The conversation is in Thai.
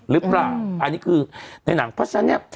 หรือเปล่าอันนี้คือในหนังเพราะฉะนั้นเนี่ย